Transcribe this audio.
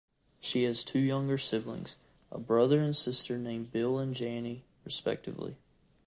She has two younger siblings; a brother and sister named Bill and Janny, respectively.